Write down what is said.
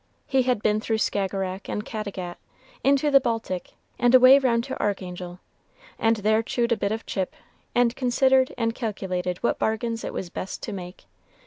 He had been through the Skagerrack and Cattegat, into the Baltic, and away round to Archangel, and there chewed a bit of chip, and considered and calculated what bargains it was best to make.